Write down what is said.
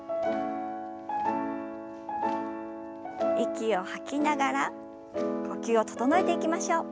息を吐きながら呼吸を整えていきましょう。